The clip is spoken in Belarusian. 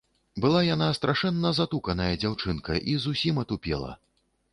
Была яна страшэнна затуканая дзяўчынка і зусім атупела.